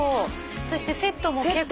そしてセットも結構。